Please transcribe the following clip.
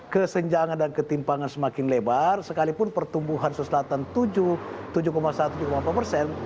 kesenjangan dan ketimpangan semakin lebar sekalipun pertumbuhan selatan tujuh satu tujuh delapan persen